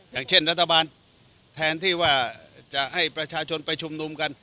อย่างเช่นรัฐบาลแทนที่ว่าจะให้ประชาชนไปชุมนุมกัน